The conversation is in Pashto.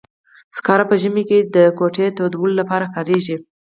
سکاره په ژمي کې د کوټې تودولو لپاره کاریږي.